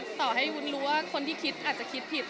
ต่อให้วุ้นรู้ว่าคนที่คิดอาจจะคิดผิด